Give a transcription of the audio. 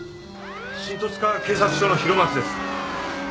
新十津川警察署の広松です。